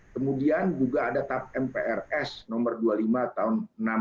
kemudian juga ada tap mprs nomor dua puluh lima tahun seribu sembilan ratus enam puluh